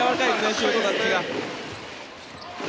シュートタッチが。